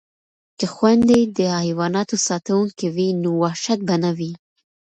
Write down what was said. که خویندې د حیواناتو ساتونکې وي نو وحشت به نه وي.